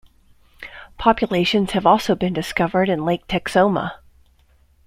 Populations have also been discovered in Lake Texoma.